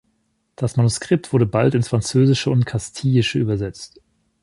Das Manuskript wurde bald ins Französische und Kastilische übersetzt.